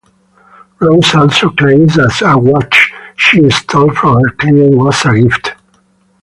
Rose also claims that a watch she stole from her client was a gift.